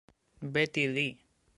Betty Lee.